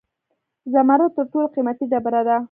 زمرد تر ټولو قیمتي ډبره ده